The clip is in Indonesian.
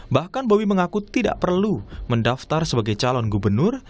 bahkan bobi mengaku tidak perlu mendaftar sebagai calon gubernur